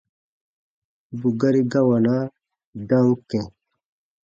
Bù gari gawanaa dam kɛ̃.